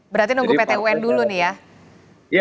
berarti nunggu pt un dulu nih ya